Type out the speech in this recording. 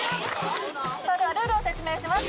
それではルールを説明します